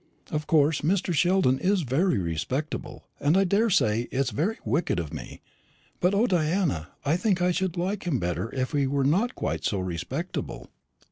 Of course Mr. Sheldon is very respectable, and I daresay it's very wicked of me; but O, Diana, I think I should like him better if he were not quite so respectable.